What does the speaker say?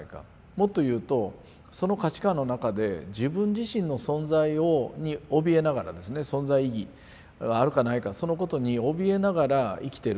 もっと言うとその価値観の中で自分自身の存在におびえながらですね存在意義があるかないかそのことにおびえながら生きてる。